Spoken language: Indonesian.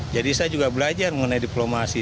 jadi saya juga belajar mengenai diplomasi